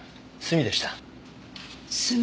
墨？